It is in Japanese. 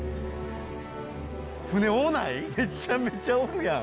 めちゃめちゃおるやん。